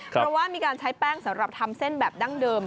เพราะว่ามีการใช้แป้งสำหรับทำเส้นแบบดั้งเดิม